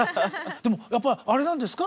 やっぱりあれなんですか？